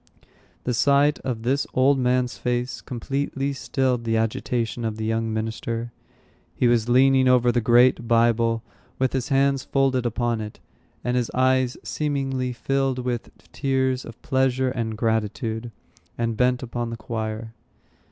The sight of this old man's face completely stilled the agitation of the young minister. He was leaning over the great Bible, with his hands folded upon it, and his eyes seemingly filled with tears of pleasure and gratitude, and bent upon the choir.